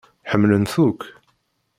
Ḥemmlen-t akk.